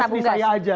tuker gas nih saya aja